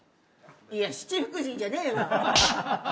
いや七福神じゃねえわ。